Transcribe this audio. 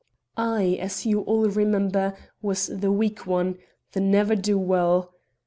"I, as you all remember, was the weak one the ne'er do weel.